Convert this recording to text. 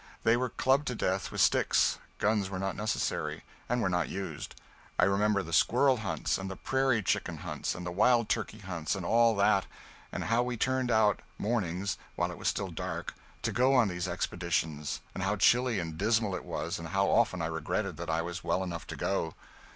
They were clubbed to death with sticks; guns were not necessary, and were not used. I remember the squirrel hunts, and the prairie chicken hunts, and the wild turkey hunts, and all that; and how we turned out, mornings, while it was still dark, to go on these expeditions, and how chilly and dismal it was, and how often I regretted that I was well enough to go.